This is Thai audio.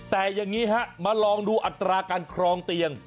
แต่อย่างนี้ฮะมาลองดูอัตราการครองเตียง